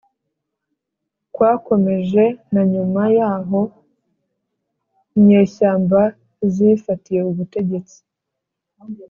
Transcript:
kwakomeje na nyuma y'aho inyeshyamba zifatiye ubutegetsi.